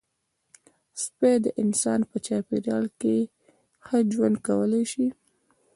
سپي د انسان په چاپېریال کې ښه ژوند کولی شي.